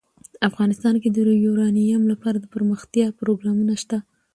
افغانستان کې د یورانیم لپاره دپرمختیا پروګرامونه شته.